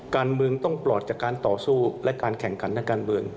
การเมืองต้องปลอดจากการต่อสู้และการแข่งขันทางการเมือง